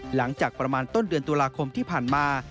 หลังจากประมาณต้นเดือนตุลาคมที่ผ่านมา